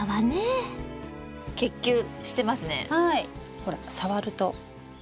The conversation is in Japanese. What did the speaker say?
ほら触ると。